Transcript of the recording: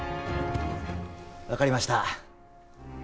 分かりました